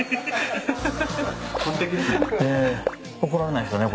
怒られないですよね？